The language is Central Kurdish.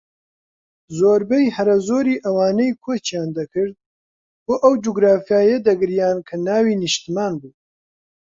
زۆربەی هەرە زۆری ئەوانەی کۆچیان دەکرد بۆ ئەو جوگرافیایە دەگریان کە ناوی نیشتمان بوو